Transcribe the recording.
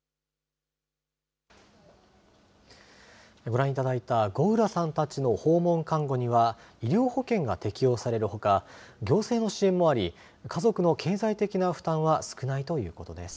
ご覧いただいた吾浦さんたちの訪問看護には医療保険が適用されるほか行政の支援もあり家族の経済的な負担は少ないということです。